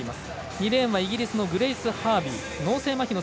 ２レーンはイギリスのグレイス・ハービー。